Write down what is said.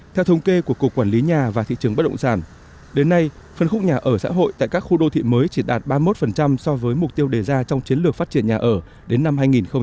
theo thống kê của cục quản lý nhà và thị trường bất động sản đến nay phân khúc nhà ở xã hội tại các khu đô thị mới chỉ đạt ba mươi một so với mục tiêu đề ra trong chiến lược phát triển nhà ở đến năm hai nghìn hai mươi